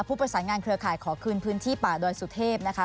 ผู้ประสานงานเครือข่ายขอคืนพื้นที่ป่าดอยสุเทพนะคะ